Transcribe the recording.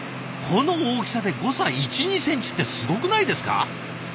この大きさで誤差１２センチってすごくないですか？